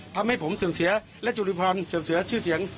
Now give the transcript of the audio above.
ทำให้ผมเสื่อมเสียและจุริพันธ์เสื่อมเสียชื่อเสียง